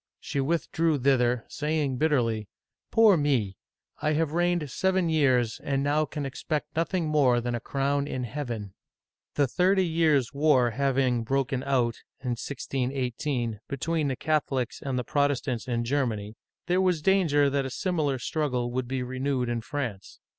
She withdrew thither, saying bitterly, Poor me ! I have reigned seven years, and now can expect nothing more than a crown in Heaven !" The Thirty Years' War having broken out (161 8) between the Catholics and the Protestants in Germany, there was danger that a similar struggle would be renewed in France.